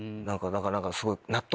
何かすごい納得。